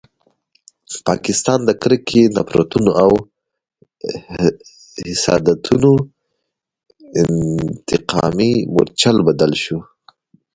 پاکستان د کرکو، نفرتونو او حسادتونو انتقامي مورچل بدل شو.